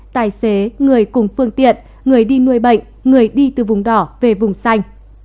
tài xế người cùng phương tiện người đi nuôi bệnh người đi từ vùng đỏ về vùng xanh